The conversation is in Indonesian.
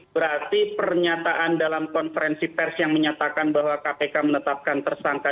berarti pernyataan dalam konferensi pers yang menyatakan bahwa kpk menetapkan tersangka